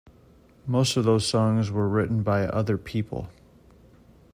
Most of those songs were written by other people.